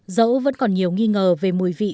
dẫu vẫn còn nhiều nghi ngờ về mùi vị